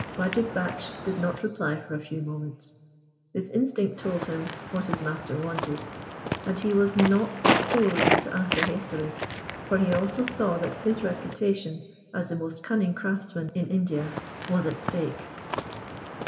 Wajib Baksh did not reply for a few moments. His instinct told him what his master wanted, and he was not disposed to answer hastily, for he also saw that his reputation as the most cunning craftsman in India was at stake.